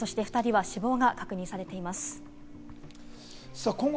２人は死亡が確認されています。